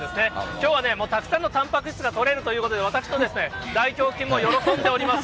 きょうはね、もうたくさんのたんぱく質が取れるということで、私の大胸筋も喜んでおります。